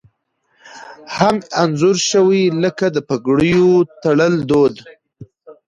هم انځور شوي لکه د پګړیو تړل دود